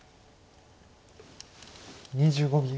２５秒。